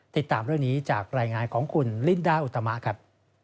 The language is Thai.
ติดตามเรื่องนี้จากรายงานของคุณลินดาอุตมะครับ